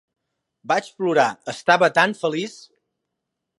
Vaig plorar, estava tan feliç.